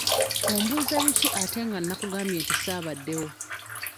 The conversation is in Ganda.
Ombuuza biki ate nga nkugambye nti ssaabaddewo?